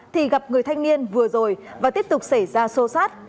thì gặp người thanh niên vừa rồi và tiếp tục xảy ra sô sát